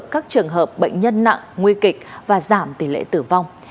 các trường hợp bệnh nhân nặng nguy kịch và giảm tỷ lệ tử vong